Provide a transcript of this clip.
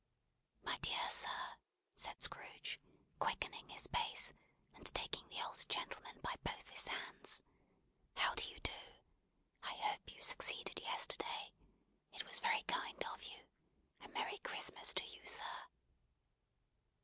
"My dear sir," said Scrooge, quickening his pace, and taking the old gentleman by both his hands. "How do you do? I hope you succeeded yesterday. It was very kind of you. A merry Christmas to you, sir!"